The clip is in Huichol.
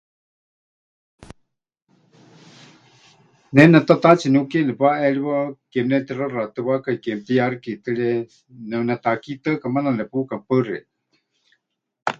Ne netataatsi niukieya nepaʼeriwa, ke mɨnetixaxatɨwákai, ke mɨtiyaxikitɨre, neunetakitɨaka maana nepuka. Paɨ xeikɨ́a.